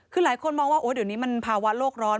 คือหลายคนมองว่าเดี๋ยวนี้มันภาวะโลกร้อน